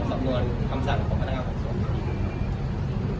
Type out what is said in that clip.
ก็คือเรามาจากที่๘ครับครับ